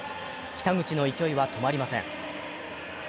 北口の勢いは止まりません。